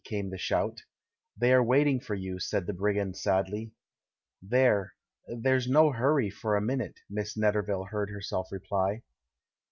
came the shout. "They are waiting for you," said the brigand sadly. "There — ^there^s no hurry for a minute," Miss Netterville heard herself reply.